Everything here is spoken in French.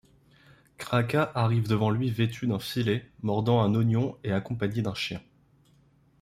Kráka arrive devant lui vêtue d'un filet, mordant un oignon et accompagnée d'un chien.